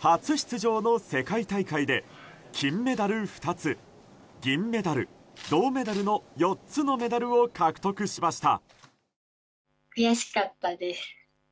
初出場の世界大会で金メダル２つ銀メダル、銅メダルの４つのメダルを獲得しました。